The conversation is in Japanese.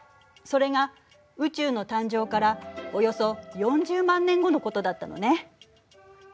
それが宇宙の誕生からおよそ４０万年後のことだったのね。